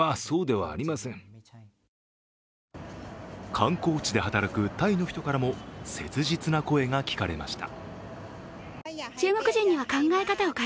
観光地で働くタイの人からも切実な声が聞かれました。